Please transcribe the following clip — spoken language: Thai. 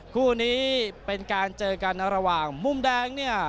คู่นี้เป็นการเจอกันระหว่างมุมแดงเนี่ย